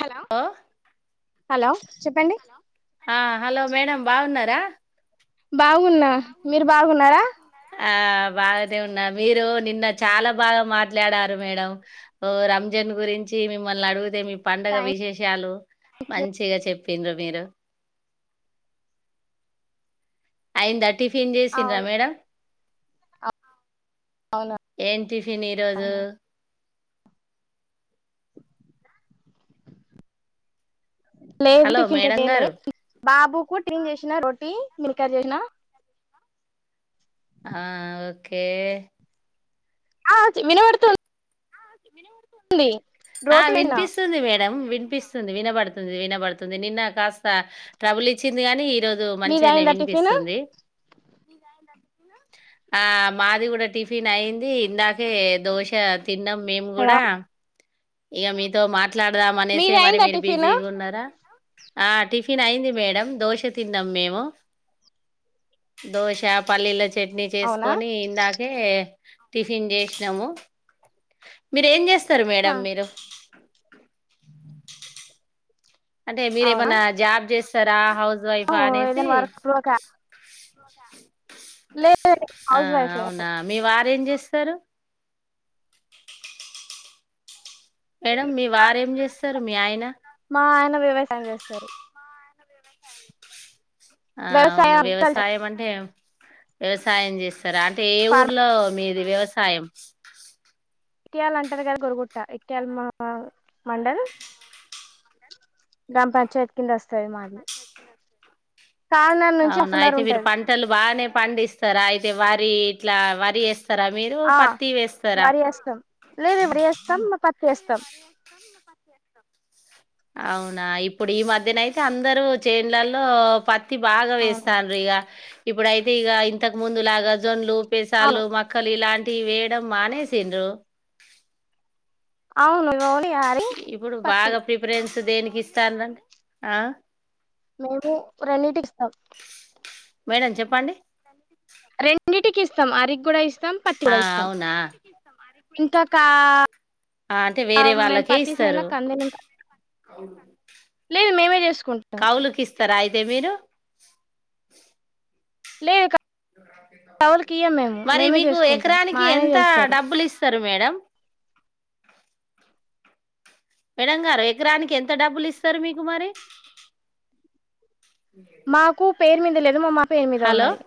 Hello ఆ hello చెప్పండి ఆ హలో మేడం బాగున్నరా? బాగున్న, మీరు బాగున్నరా? ఆ బాగనె ఉన్న మీరు నిన్న చాలా బాగా మాట్లాడారు మేడంఓ రంజన్ గురించి మిమ్మల్ని అడిగితే మీ పండుగ థ్యాంక్ విశేషాలు యూ మంచిగ చెప్పు తినరు మీరు ఐంద అడ్ టిఫిన్ చేసిండ్ర అవును మేడం అవును ఏం టిఫిన్ ఈరోజూ అవును లేదు హలో టిఫిన్ ఇంక మేడం చేయలే గారు బాబుకు టీన్ చేసినా రోటీ మిలికాడ్ చేసిన ఆ ఓకే ఆ వినపడుతు ఆ రోటీ చేసిన వినిపిస్తుంది మేడం వి నిపిస్తుంది వినబడుతుంది వినబడుతుంది నిన్న కాస్త ట్రబుల్ ఇచ్చింది కాని ఈ రోజు మీది మంచిగానే అయిందా టిఫిన్ వినిపిస్తుంది ఆ మాది కూడా టిఫిన్ అయింది ఇందాకే దోశ తిన్నము మేము కూడ హలో ఇక మీతొ మా మాట్లాడదామనేసే మీది మరి అయిందా మీరు టిఫిన్ బిజీగా ఉన్నర ఆ టిఫిన్ అయింది మేడం దోశ తిన్నాం మేము దోశ పల్లీలో చట్నీ అవునా చేసుకొని ఇందాకే టిఫిన్ చేసినము మీరెం చేస్త స్తరు హా, మేడం మీరు అంటే అవునా మీరేమన్నా జాబ్ చేస్తారా హౌస్ వైఫా అనేసి ఏదైనా వర్క్ ప్రోకా లేదు ఆ హౌస్ వైఫే అవునా మీ వారు ఏంచేస్త సరు మేడం మీ వారు ఏం చేస్తారు మీ ఆయన సాయం చేస్తారు ఆ అవును వ్యవసాయం కల్చర్ వ్యవసాయం అంటే ఏం వ్యవసాయం చేస్ ర అంటే ఏ ఫార్మ్ ఊర్లో మీది వ్యవ సాయం ఇటియాల అంటారు కదా గొరుగుట్ట ఇటియాల్ మా మండల్ గ్రామ్ పంచాయత్ కింద వస్తాయి మాది కాకినాడ నుంచి హాఫ్ అవునా అన్ అవర్ అయితే మీరు ఉంటది పంటలు బానే పండిస్తరా అయితే వరి ఇట్లా వరి యేస్ ఆ వరి వేస్తాం లేదు వరి వేస్తాం పత్ వేస్తాం అవునా ఇప్పుడు ఈ మధ్యన అయితే అందరూ చేన్లల్లో పత్ త్తి బాగా అవును వేస్తాన్రు ఇగ ఇప్పుడయితే ఇగ ఇంతకు ముందు లాగా జోన్లు అవును పెసల్లు మక్కలు ఇలాం టి వేయడం మనేసిన్రు అవును ఓన్లీ వరి ఇప్పుడు పత్తి బాగా ప్రిఫరెన్స్ దేనికి ఇస్తాన్రంటే ఆ మేము రెండింటికి ఇస్తాం మేడం చెప్పండి రెండింటికి ఇస్తాం అరికి కూడా ఇస్ ఇస్తాం పత్తి కూడా ఆ ఇస్తాం అవునా ఇంకొక అంటే ఆ వేరే మేము వాళ్ళకే పత్తి సేన్ల ఇస్తారు కందులు లేదు మేమే చేసుకుంటాం కవులు కిస్ త్తరా అయితే మీరు లేదు క మరి మేమే మీకు చేసుకుంటాం మా ఎకరానికి ఆయనే ఎంత చేస్తారు డబ్బులు ఇస్తర్ రు మేడం మేడమ్ గారు ఎకరానికి ఎంత డబ్బులు ఇస్తరు మీకు మరి మాకు పేరు మీద లేద్ మా మామ్ [unintelligible] లపేరు మీద ఉన్న హలో యి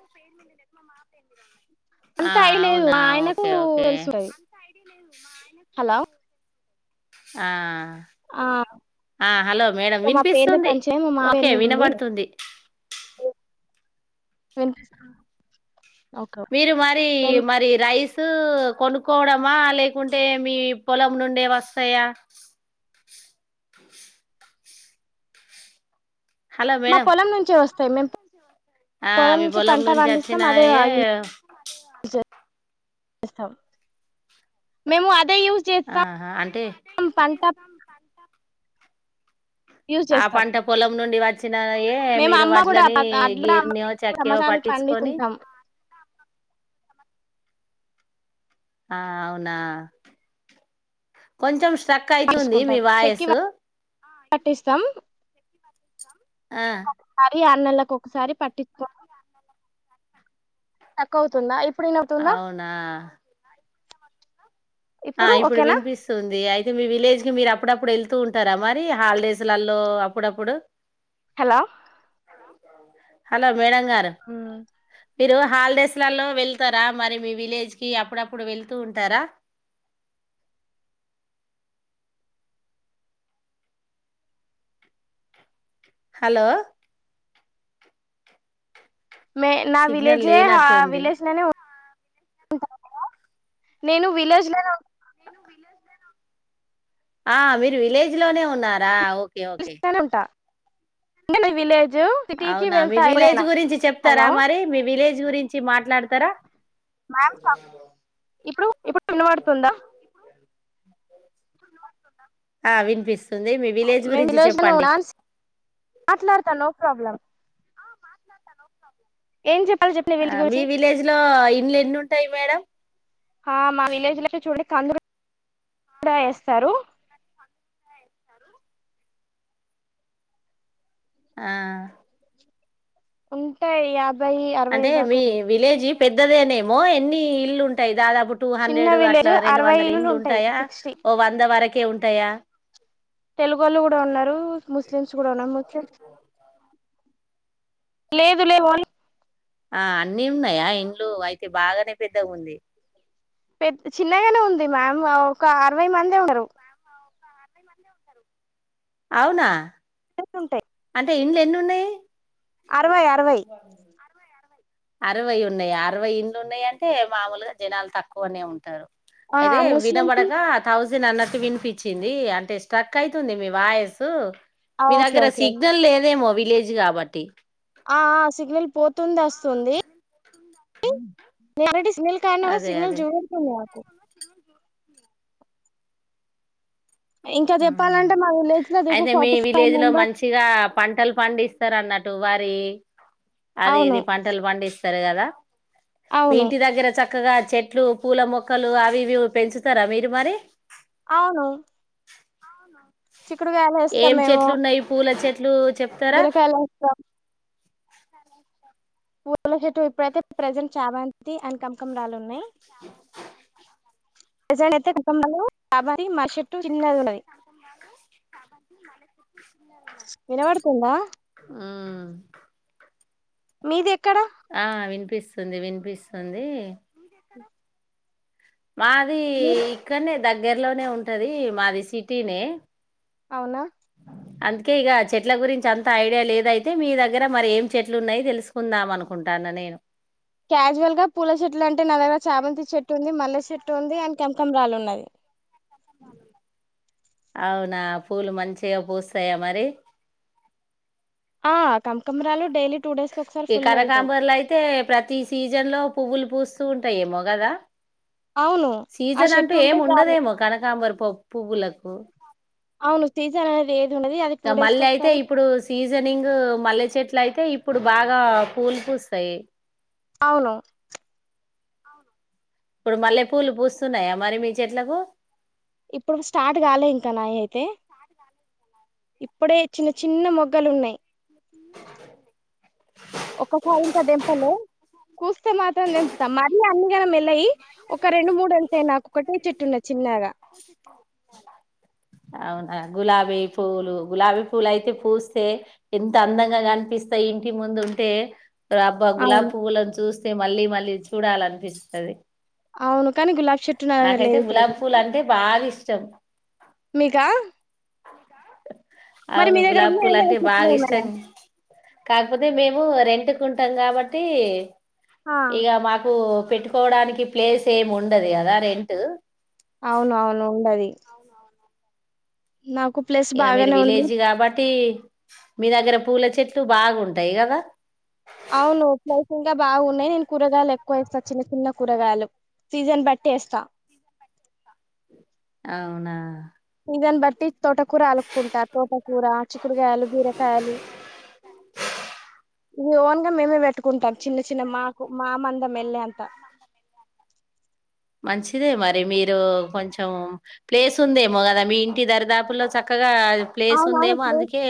ఆ అంత అయలేదు అవునా మా ఆయనకు ఓకే ఓకే తెలుసు అది హలో ఆ ఆ ఆ హలో మేడం మా పేరుని వినిపిస్తుంది పంచే మా మా మామ ఓకే వినబడుతుంది ఏ మీరు మరి మరి రైస్ స్ కొనుక్కోవడమా లేకుంటే మీ పొలం నుండే వస్తయా హలో మా మేడం పొలం నుంచే వస్ [unintelligible] ఆ అవి పొలం నుంచి అదే వచ్చినావో యూజ్ సరేవ మేము అదే యూజ్ చేస్తాం ఆహా అంటే పంట యూజ్ ఆ చేస్తాం పంట పొలం నుండి వచ్చినయే మేము మీరు అమ్మ కూడా వడ్లని అడ్లు కూడా అమ్మ గీర్నిో చెక్కియో సంవత్సరానికి పట్టించుకొని పండించుకుంటాం ఆ అవునా కొంచెం స్ట్రక్ అయితుంది మీ వాయస్సు పటిస్తాం ఆ ఈ ఆర్ నేల్లకు ఒకసారి పట్టిస్థాను స్ట్రక్ఆవుతుందా అవునా ఆ ఇప్పుడు వినిపిస్తుంది ఐ మీ విలేజ్ కి మీరు అప్పుడప్పుడు వెళ్తూ ఉంటారా మరి హాలిడేస్ లలో అప్పుడప్పుడు హలో హలో మేడంగారు మీరు హాలిడేస్ లలో వెళ్తారా మరి మీ విలేజ్ కి అప్పుడప్పుడు వెళ్తూ ఉంటారా హలో మే నా సిగ్నల్ విలేజే ఆహా లేనట్టుంది విలేజ్ లోనే నేను విలేజ్ లో ఇ ఆ మీరు విలేజ్ లోనే ఉన్నారా ఓక్ ఓకే ఓకే అంటే నేన్ విలేజ్ సిటీకి అవునా మీ వెళ్తా విలేజ్ ఎప్పుడైనా గురించి హలో చెప్తారా మరి మీ విలేజ్ గురించి మాట్లాడతారా ఎక్కువ మ్యామ్ క జనాలు ఆమెన్ ఇప్పుడు ఇప్పుడు పంపించిన వినబడుతుందా ఇప్పుడు ఇప్పుడు ఆ వినిపిస్ మేము విలేజ్ లోనే ఉన్నాంస్ మాట్లాడతాను ప్రాబ్లం ఆ మాట్లాడతా నో ప్రాబ్లం ఏం చెప్ ఆ మీ విలేజ్ లో ఇండ్లు ఎన్ని ఉంటాయి మేడం ఆ మా విలేజ్ లో [unintelligible] [inaudible] కూడా వేస్తారు ఆ ఉంటాయి యా అంటే మీ విలేజీ పెద్దదేనేమో ఎన్ని ఇల్లు ఉంటాయి దాదాపు టూ చిన్న హండ్రెడ్ విలేజ్ అట్లా రెండు అరవై వందల ఇల్లులు ఇండ్లు ఉంటాయి ఉంటాయా సిక్స్టీ ఓ వంద వరకి కే ఉంటాయా తెలుసు కూడా నా ఆమె కే లేదులే వాళ్లే ఆ అన్నీ ఉన్నాయి ఆ ఇండ్లు అయితే బాగానే పెద్దగా ఉంది. పెద్ద చిన్నగానే ఉంది మ్యామ్ ఒక అరవై మందే ఉన్నారు అవునా ఎన్ని ఉంటాయి అంటే ఇండ్లు ఎన్ని ఉన్నాయి అరవై అరవై అరవ్ అరవై ఉన్నాయి అరవై ఇండ్లు ఉన్నాయి అంటే మామూలుగా జనాలు తక్కువనే ఉంటారు ఆ అయితే ముస్లిమ్స్ వినబడక తౌసం డ్ అన్నట్టు వినిపించింది అంటే స్ట్రక్ అయితుంది మీ వాయిసు ఆ ఓకే ఓకే ఓకే సిగ్నల్ లేదేమో అవి విలేజ్ కాబట్టి ఆ ఆ సిగ్నల్ పోతుంది వస్తుంది నేను ఆల్రెడీ సెండ్ [unintelligible] కూడా అదే సిగ్నల్ అదే [unintelligible] ఇంకా ఉమ్. చెప్పాలంటే మా విలేజ్ కి అయితే మీ విలేజ్ లో మంచిగా పంటలు పండిస్తా అన్నటు వారి అది అవును ఇది పంటలు పండిస్తు స్తారు కదా మీ అవును ఇంటి దగ్గర చక్కగా చెట్ ట్లు పూల మొక్కలు అవి ఇవి పెంచుతారా మీరు మరి ఆవును అ ఏం చెట్లు ఉన్నాయి పూల చెట్లు ప్లు బిరకాయలా ఎస్తాం [unintelligible] పూల చెట్టు ఇప్పుడైతే ప్రజెంట్ చామంతి అండ్ కంకంరాలు ఉన్నాయి [inaudible] మా సెట్టు కింద ఉన్నది వినపడుతుందా ఉమ్. మీది ఎ ఆ వింట్ వినిపిస్తుంది వినిపిస్తుంది మాది మీరు ఇక్కనే దగ్గరలోనే ఉంటది మాది సిటీనే అవునా అందుకే ఇక చెట్ల గురించి అంత ఐడియా లేదయితే మీ దగ్గర మరి ఏం చెట్లు ఉన్నాయో తెలుసుకుందాం అనుకుంటానా నేను క్యాజువల్ గా పూల చెట్టులు అంటే నా దగ్గర చామంతి చెట్టు ఉంది మల్లె చెట్టు ఉంది అండ్ కనకంరాల్ ఉన్నది అవునా పూలు మంచిగా పూస్తాయా మరి ఆ కనకంరాలు డైలీ టూ డేస్ కి ఒకసారి ఈ ఫుల్ వెళ్తాయి కరకాంబర్ల్ అయితే ప్రతి సి సీజన్ లో పువ్వులు పూస్తూ ఉంటాయేమో కదా అవును ఆ సీజన్ అంటూ చెట్టు ఉంటే ఏమ్ చాలు ఉండదేమో కనకాంబర్ పప్పు బులకు అవును సీజన్ అనేది ఏది ఉన్నది అది టూ ఇకా డేస్ కి మళ్ళాయితే ఒకసారి ఇప్పుడు సీజనింగు మల్లె చెట్టు ఇట్లయితే ఇప్పుడు బాగా పూలు పూస్తాయి అవును ఇప్పుడు మళ్ళీ పూలు పూస్తున్నాయా మరి మీ చెట్లకు ఇప్పుడు స్టార్ట్ కాలే ఇంకా నాయి అయితే ఇప్పుడే చిన్న చిన్న మొగ్గలు ఉన్నాయి అ ఒక్కసారి ఇంకా దెంపలే కూస్తే మాత్రం దింపుతా మళ్ళీ అందుకనే మెల్ ఉన్నాయి ఒక రెండు మూడు అంతే నాక్ ఒక్కటే చేట్టున్నది చిన్నగా అవునా గులాబీ పూలు గులాబీ పూలు అయితే పూస్తే ఎంత అందంగా కనిపిస్తాయి ఇంటి ముందు ఉంటే అబ్బ గులాబీ అవును పూవ్వులను చూస్త్ అంతే మళ్ళీ మళ్ళీ చూడాలనిపిస్తది అవును కానీ గులాబీ చెట్టు నా దగ్గర నాకైతే లేదు గులాబ్ ప్రజెంట్ పూలు అంటే బాగా ఇష్టం మీకా ఆ మరి అవును మీ దగ్గర గులాబ్ ఉన్నాయా పూల్ లేదా అంటే చెట్లు బాగా ఏమైనా ఇష్టం కాకపోతే మేము రెంట్కు ఉంటాం కాబట్టి ఆ ఈగ మాకు పెట్టుకోవడానికి ప్లేస్ ఏం ఉండదు కదా రెంటు అవును అవును ఉండదు నాకు ప్లేస్ బాగానే ఉంది ట్టి మీ దగ్గర పూల చెట్లు బాగుంటాయి కదా అవును ప్లైసింగ్ గా బాగున్నాయి నేను కూరగాయలు ఎక్కువ వేస్తా చిన్న చిన్న కూరగాయలు సీజన్ బట్టి వేస్తా అవునా సీజన్ బట్టి తోటకూర అలుకుంటా తోటకూర చిక్కుడుకాయలు బీరకాయలు ఇవి ఓన్ గా మేమే పెట్టుకుంటా పెట్టుకుంటాం చిన్న చిన్న మాకు మా [unintelligible] ఒక మెల్లే అంత మంచిదే మరి మీరు కొంచెం ప్లేస్ ఉందేమో కదా మీ ఇంటి దరిదాపుల్లో చక్కగా ప్లేస్ అవునవును ఉందేమో ప్లేస్ అందుకే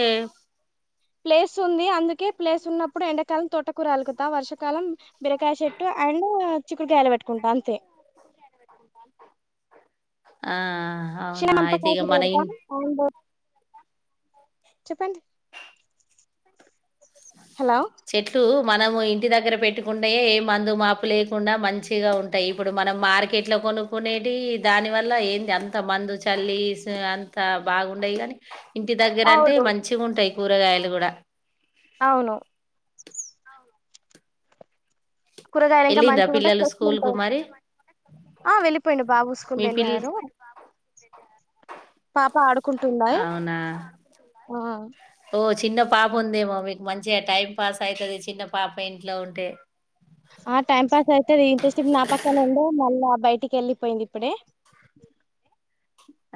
ప్లేస్ ఉంది అందుకే ప్లేస్ ఉన్నప్పుడు ఎండాకాలం తోటకూర అలుగుతా వర్షకాలం బిరకాయ చెట్టు అండ్ చిక్కుడుకాయలు పెట్టుకుంటా అంతే ఆ అవునా [unintelligible] అంత అయితే ఇక మన ఇ పెడతా అండ్ చెప్పండి హలో చెట్లు మనము ఇంటి దగ్గర పెట్టుకుంటేయే ఏ మందు మాపు లేకుండా మంచిగా ఉంటాయి ఇప్పుడు మనం మార్కెట్ లో కొనుకునేటి దాని వల్ల ఏంటి అంత మందు చల్లి అంత బాగుండయి కాని ఇంటి దగ్గర అంటే అవును మంచిగా ఉంటాయి కూరగాయలు కూడా అవును కూరగాయలు ఇంకా వెళ్ళిండ్రా మంచిగా ఉంటాయి పిల్లలు ఫ్రెష్ స్కూల్ కు ఉంటాయి మరి ఆ వెళ్ళిపోయిడు బాబు స్కూల్ మీ పిల్ వెళ్ళాడు పాపా ఆడు ఆడుకుంటున్నాయి అవునా ఆ ఓ చిన్న పాప ఉందేమో మీకు మంచిగా టైం పాస్ అవుతుది చిన్న పాప ఇంట్లో ఉంటే ఆ టైం పాస్ అవుతుది ఇంతసేపు నా పక్కన ఉండే మళ్ల బయట టి కి వెళ్ళిపోయింది ఇప్పుడే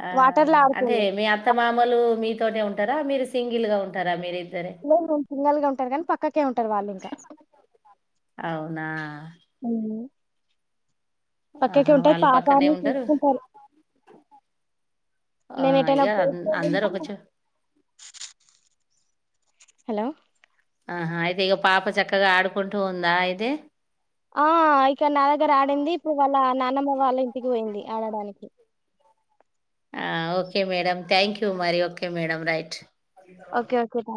ఆ వాటర్ లో అంటే ఆడుతుంది మీ అత్త మామలు మీ తోనే ఉంటారా మీరు సింగిల్ గా ఉంటారా మీరు లేదు మేము సింగిల్ గా ఉంటాం గాని పక్క నే ఉంటారు వాళ్ళు ఇంకా అవునా పక్కకి ఆహా ఉంటాది వాళ్ళు పక్కనే పాపాన్ని ఉంటారు చూసుకుంటారు ఆ నేన ఏటైనా ఇగ పోతే అందరు ఒక గనుక చో హలో ఆహా అయితే ఇక పాప చక్కగా ఆడుకుంటూ ఉందా అయితే ఆ ఇక్క నా దగ్గర ఆడింది వాళ్ళ నానమ్మ వాళ్ళ ఇంటికి పోయింది ఆడడానికి ఓకే మేడడం థ్యాంక్ యూ మరి okay madam right okay okay ్యాంక్